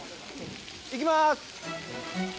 行きます！